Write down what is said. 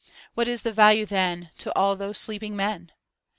What is the value then To all those sleeping men?